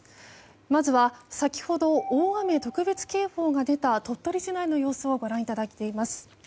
まずは先ほど大雨特別警報が出た鳥取市内の様子をご覧いただきます。